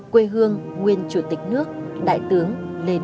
quê hương nguyên chủ tịch nước đại tướng lê đức anh